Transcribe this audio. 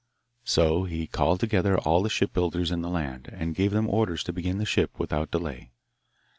So he called together all the shipbuilders in the land, and gave them orders to begin the ship without delay.